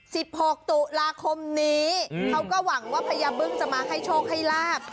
หกตุลาคมนี้เขาก็หวังว่าพญาบึ้งจะมาให้โชคให้ลาบ